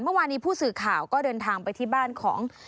เมื่อวานนี้ผู้สื่อข่าวก็เดินทางไปที่บ้านของ